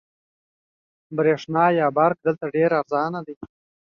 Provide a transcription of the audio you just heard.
برېښنا دلته ډېره ارزانه ده.